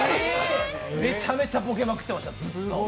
めちゃめちゃボケまくってました、ずっと。